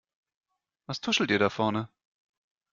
Was tuschelt ihr da vorne?